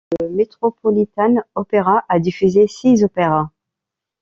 Le Metropolitan Opera a diffusé six opéras.